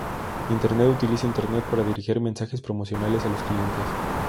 Internet Utiliza internet para dirigir mensajes promocionales a los clientes.